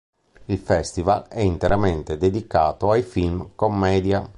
Il festival è interamente dedicato ai film commedia.